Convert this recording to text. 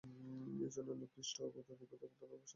এইজন্যই লোকে খ্রীষ্ট-বুদ্ধাদি অবতারগণের উপাসনা করিয়া থাকে।